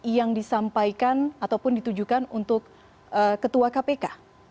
yang disampaikan ataupun ditujukan untuk ketua kpk